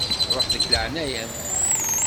Ruḥ, deg leɛnaya-m.